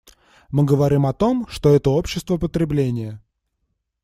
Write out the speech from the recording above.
Мы говорим о том, что это общество потребления.